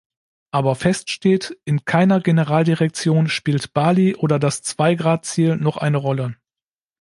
Aber fest steht, in keiner Generaldirektion spielt Bali oder das Zwei-Grad-Ziel noch eine Rolle.